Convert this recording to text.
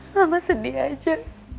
mama sedih aja